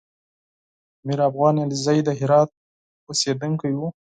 میرافغان علیزی د هرات اوسېدونکی و